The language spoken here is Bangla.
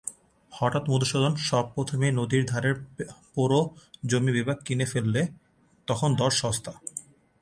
হঠাৎ মধুসূদন সব-প্রথমেই নদীর ধারের পোড়ো জমি বেবাক কিনে ফেললে, তখন দর সস্তা।